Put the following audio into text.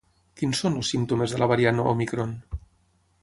Quins són els símptomes de la variant òmicron?